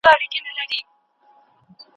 اداري اصلاحات مهم دي.